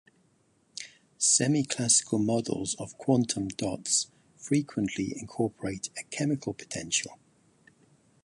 Semiclassical models of quantum dots frequently incorporate a chemical potential.